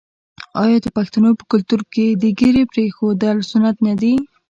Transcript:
آیا د پښتنو په کلتور کې د ږیرې پریښودل سنت نه دي؟